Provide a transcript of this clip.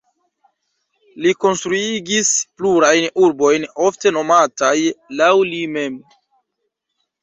Li konstruigis plurajn urbojn, ofte nomataj laŭ li mem.